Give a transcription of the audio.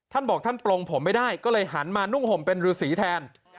ท่านบอกท่านปลงผมไม่ได้ก็เลยหันมานุ่งห่มเป็นรือสีแทน